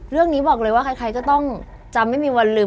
เรื่องนี้บอกเลยว่าใครก็ต้องจำไม่มีวันลืม